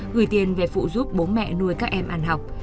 gửi tiền về phụ giúp bố mẹ nuôi các em ăn học